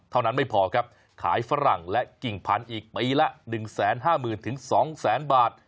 เท่านั้นไม่พอครับขายฝรั่งและกิ่งพันธุ์อีกปีละ๑๕๐๐๐๐ถึง๒๐๐๐๐๐บาท